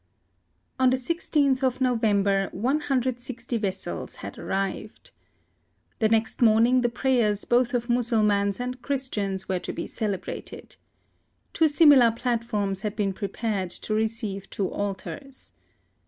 On the 16th of November, 160 vessels had arrived. The next morning the prayers both of Mussulmans and Christians were to be celebrated. Two similar platforms had been prepared to receive two altars.